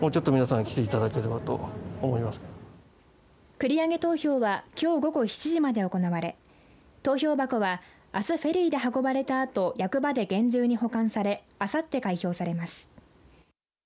繰り上げ投票はきょう午後７時まで行われ投票箱はあすフェリーで運ばれたあと役場で厳重に保管されあさって開票されます。